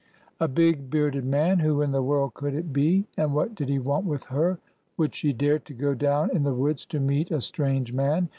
A big, bearded man ! Who in the world could it be ? And what did he want with her? Would she dare to go down in the woods to meet a strange man